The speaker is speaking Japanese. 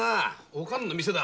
「おかん」の店だ。